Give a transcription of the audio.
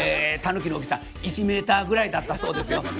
たぬきの大きさ１メーターぐらいだったそうですよ。